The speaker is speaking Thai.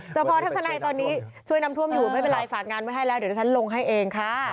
พ่อทัศนัยตอนนี้ช่วยน้ำท่วมอยู่ไม่เป็นไรฝากงานไว้ให้แล้วเดี๋ยวที่ฉันลงให้เองค่ะ